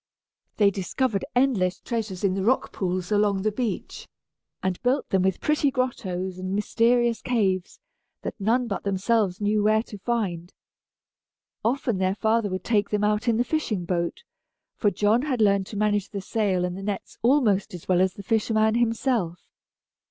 They discovered endless treasures in the rock pools along the beach, and built with them pretty grottoes, and mysterious caves, that none but themselves knew where to find. Often their father would take them out in the fishing boat; for John had learned to manage the sail and the nets almost as well as the fisherman himself.